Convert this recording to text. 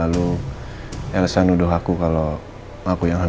ada yang wenig bel algum